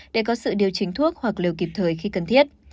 để có sự điều chỉnh thuốc hoặc liều kịp thời khi cần thiết